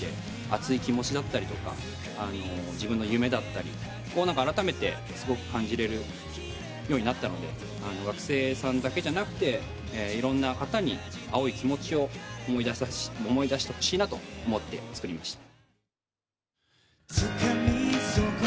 熱い気持ちだったりとか自分の夢だったりをあらためてすごく感じられるようになったので学生さんだけじゃなくていろんな方に青い気持ちを思い出してほしいと思って作りました。